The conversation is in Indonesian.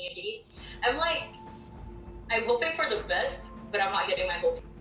jadi gue berharap untuk yang terbaik tapi gue nggak kecewa